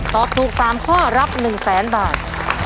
ตอบถูก๓ข้อรับ๑๐๐๐๐๐๐บาท